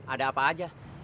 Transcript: ada apa aja